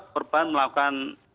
sehingga korban melakukan terjadi cekcok